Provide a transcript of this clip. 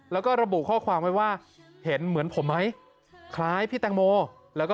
แล้วก็ระบุข้อความไว้ว่าเห็นเหมือนผมไหมคล้ายพี่แตงโมแล้วก็